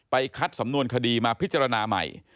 คัดสำนวนคดีมาพิจารณาใหม่